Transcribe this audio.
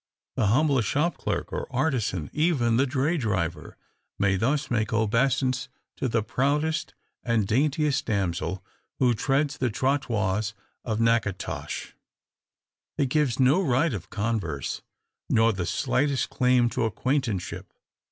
The humblest shop clerk or artisan even the dray driver may thus make obeisance to the proudest and daintiest damsel who treads the trottoirs of Natchitoches. It gives no right of converse, nor the slightest claim to acquaintanceship.